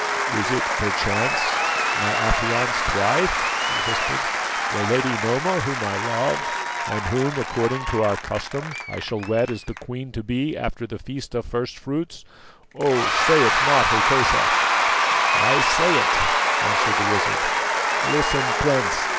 "Is it, perchance, my affianced wife?" he whispered; "the lady Noma, whom I love, and who, according to our custom, I shall wed as the queen to be after the feast of first fruits? Oh! say it not, Hokosa." "I say it," answered the wizard. "Listen, Prince.